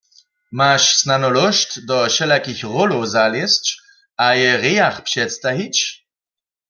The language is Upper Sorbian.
Maš snano lóšt, do wšelakich rólow zalězć a je w rejach předstajić?